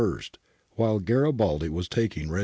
hile Garibaldi wa? takinJ Ref.